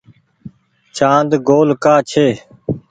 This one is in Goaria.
چآند گول ڪآ ڇي۔